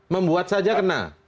membuat saja kena